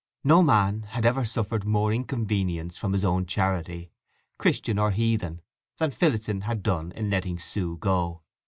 No man had ever suffered more inconvenience from his own charity, Christian or heathen, than Phillotson had done in letting Sue go.